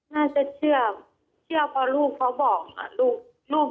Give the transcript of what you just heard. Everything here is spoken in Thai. น่าจะเชื่อเชื่อเพราะลูกเขาบอก